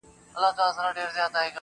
د مزې خبره ده